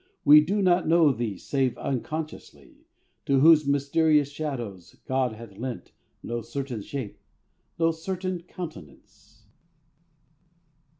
We do not know these save unconsciously. To whose mysterious shadows God hath lent No certain shape, no certain countenance.